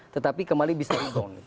tetapi kembali bisa rebound